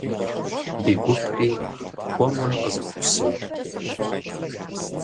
Ди гупри хуэмурэ къызэхуосыж.